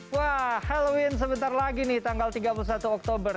wah halloween sebentar lagi nih tanggal tiga puluh satu oktober